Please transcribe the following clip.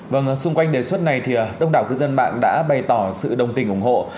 vâng xung quanh đề xuất này thì đông đảo cư dân mạng đã bày tỏ sự đồng tình ủng hộ